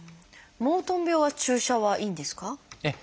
モートン病は注射はいいんですか？